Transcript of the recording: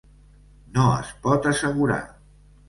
No es pot assegurar.